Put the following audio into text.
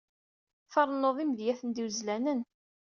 Trennuḍ imedyaten d iwezlanen.